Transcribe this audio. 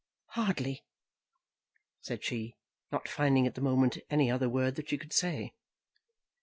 "Hardly," said she, not finding at the moment any other word that she could say.